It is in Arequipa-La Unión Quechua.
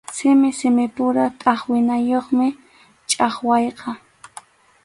Simi simipura tʼaqwinakuymi chʼaqwayqa.